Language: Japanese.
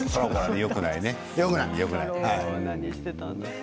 よくない。